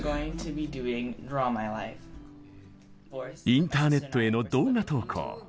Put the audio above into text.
インターネットへの動画投稿。